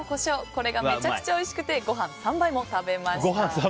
これがめちゃくちゃおいしくてご飯３杯も食べました。